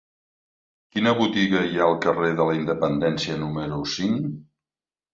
Quina botiga hi ha al carrer de la Independència número cinc?